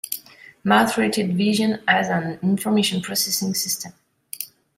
Marr treated vision as an information processing system.